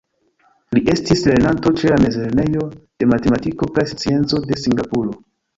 Li estis lernanto ĉe la Mezlernejo de Matematiko kaj Scienco de Singapuro.